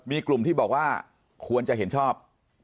มีกลุ่มที่บอกว่าควรจะเห็นชอบ